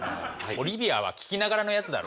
オリビアは聴きながらのやつだろ。